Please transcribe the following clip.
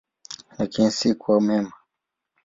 Lakini si kwa mema.